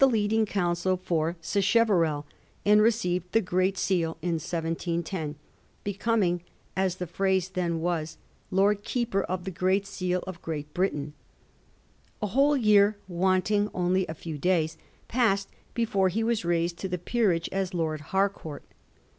ra. leading counsel for Sacheverell, and received the Great Seal in 1710, becoming, as the phrase then was, * Lord Keeper of the Great Seal of Great Britain.' A whole year, wanting only a few days, passed before he was raised to the peerage as Lord Harcourt.